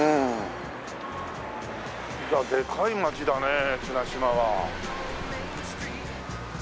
いやでかい街だねえ綱島は。